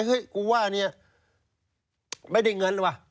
เฮ้ยกูว่าเนี่ยไม่ได้เงินเหรอวะ